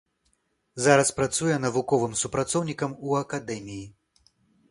Зараз працуе навуковым супрацоўнікам у акадэміі.